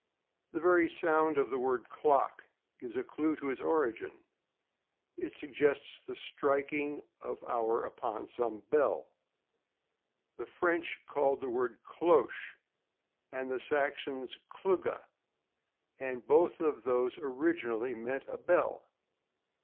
The very sound of the word "clock" gives a clue to its origin. It suggests the striking of the hour upon some bell. The French called the word cloche and the Saxons clugga, and both of these originally meant a bell.